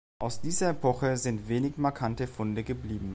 Aus dieser Epoche sind wenig markante Funde geblieben.